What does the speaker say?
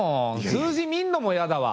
数字見るのもいやだわ。